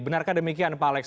benarkah demikian pak alex